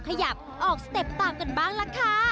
กลับกันบ้างล่ะค่ะ